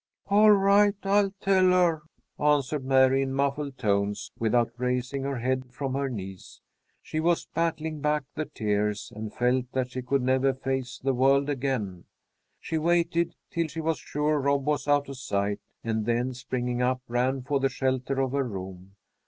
"All right, I'll tell her," answered Mary, in muffled tones, without raising her head from her knees. She was battling back the tears, and felt that she could never face the world again. She waited till she was sure Rob was out of sight, and then, springing up, ran for the shelter of her room.